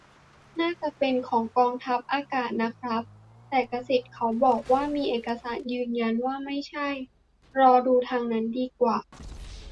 น่าจะเป็นของกองทัพอากาศนะครับ แต่กษิตเขาบอกว่ามีเอกสารยืนยันว่าไม่ใช่ รอดูทางนั้นดีกว่า